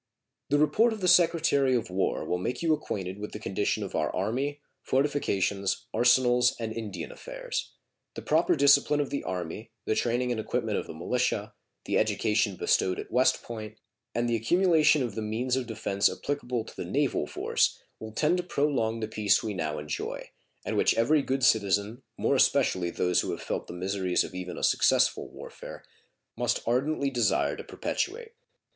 The report of the Secretary of War will make you acquainted with the condition of our Army, fortifications, arsenals, and Indian affairs. The proper discipline of the Army, the training and equipment of the militia, the education bestowed at West Point, and the accumulation of the means of defense applicable to the naval force will tend to prolong the peace we now enjoy, and which every good citizen, more especially those who have felt the miseries of even a successful warfare, must ardently desire to perpetuate.